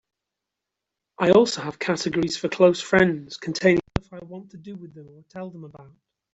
I also have categories for close friends containing stuff I want to do with them or tell them about.